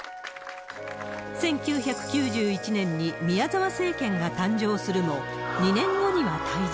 １９９１年に宮沢政権が誕生するも、２年後には退陣。